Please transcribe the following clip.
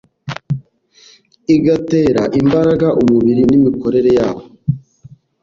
igatera imbaraga umubiri n’imikorere yawo